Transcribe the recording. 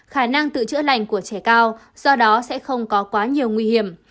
khả năng tự chữa lành của trẻ cao do đó sẽ không có quá nhiều nguy hiểm